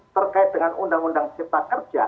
terkait dengan undang undang cipta kerja